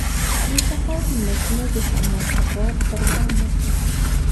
د سهار لمونځ مو د هماغه غار پر بام وکړ.